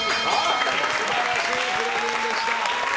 素晴らしいプレゼンでした！